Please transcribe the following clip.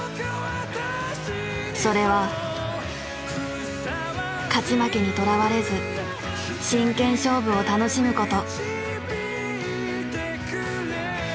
それは勝ち負けにとらわれず真剣勝負を楽しむこと。